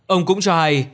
ông cũng cho hay